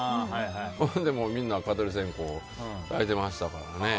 それで、みんな蚊取り線香をたいてましたからね。